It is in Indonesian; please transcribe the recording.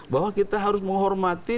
bahwa kita harus menghormati